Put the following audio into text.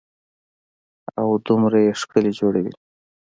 او دومره يې ښکلي جوړوي.